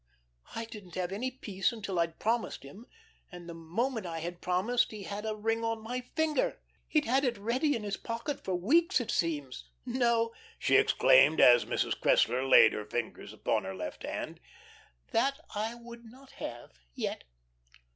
I didn't have any peace until I'd promised him, and the moment I had promised he had a ring on my finger. He'd had it ready in his pocket for weeks it seems. No," she explained, as Mrs. Cressler laid her fingers upon her left hand, "That I would not have yet."